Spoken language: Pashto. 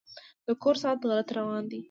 د کور ساعت غلط روان و.